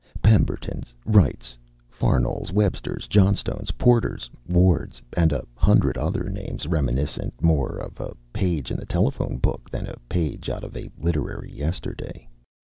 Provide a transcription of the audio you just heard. Pembertons, Wrights, Farnols, Websters, Johnstones, Porters, Wards and a hundred other names reminiscent more of a page in the telephone book than a page out of a literary yesterday.